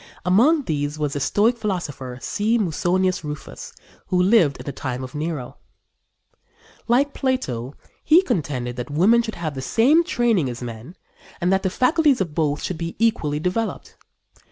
Among these was the Stoic philosopher, C. Musonius Rufus, who lived in the time of Nero. Like Plato, he contended that women should have the same training as men and that the faculties of both should be equally developed.